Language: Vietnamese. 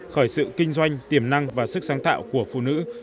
khởi sự kinh doanh tiềm năng và sức sáng tạo của phụ nữ